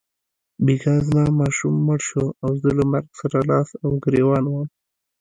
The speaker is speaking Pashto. بیګا زما ماشوم مړ شو او زه له مرګ سره لاس او ګرېوان وم.